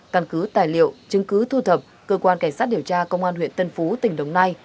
căn cứ tài liệu chứng cứ thu thập cơ quan cảnh sát điều tra công an huyện tân phú tỉnh đồng nai